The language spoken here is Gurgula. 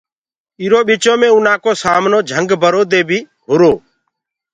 اِرو ٻِچو مي اُنآ ڪو سامنو جھنگ برو دي بي هُرو۔